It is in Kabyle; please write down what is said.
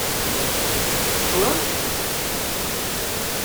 Teswam-t?